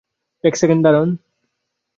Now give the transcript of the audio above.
এক সেকেন্ড দাঁড়ান।